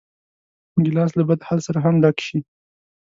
ګیلاس له بدحال سره هم ډک شي.